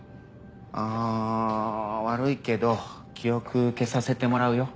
あぁ悪いけど記憶消させてもらうよ。